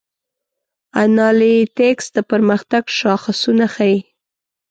انالیتکس د پرمختګ شاخصونه ښيي.